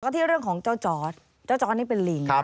ที่เรื่องของเจ้าจอร์ดเจ้าจอร์ดนี่เป็นลิง